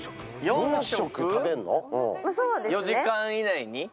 ４時間以内に？